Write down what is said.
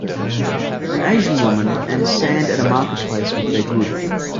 An Asian woman and sand at a marketplace with their good.